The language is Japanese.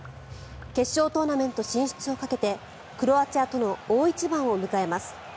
決勝トーナメント進出をかけてクロアチアとの大一番を迎えます。